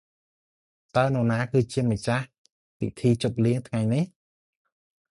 តើនរណាគឺម្ចាស់ពិធីជប់លៀងថ្ងៃនេះ?